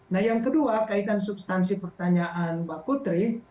nah yang kedua kaitan substansi pertanyaan mbak putri